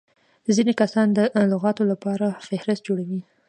ځيني کسان د لغاتو له پاره فهرست جوړوي.